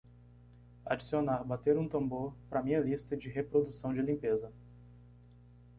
adicionar bater um tambor para minha lista de reprodução de limpeza